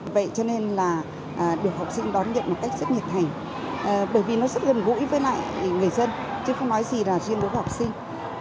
vậy cho nên là được học sinh đón nhận một cách rất nhiệt thành bởi vì nó rất gần gũi với lại người dân chứ không nói gì là riêng đối với học sinh